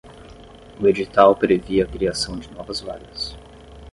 O edital previa a criação de novas vagas